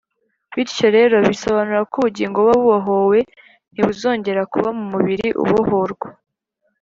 bityo rero, bisobanura ko ubugingo buba bubohowe ntibuzongere kuba mu mubiri ubohorwa.